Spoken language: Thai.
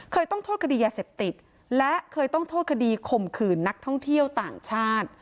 ต้องโทษคดียาเสพติดและเคยต้องโทษคดีข่มขืนนักท่องเที่ยวต่างชาติ